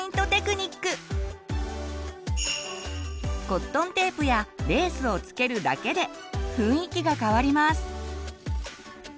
コットンテープやレースを付けるだけで雰囲気が変わります。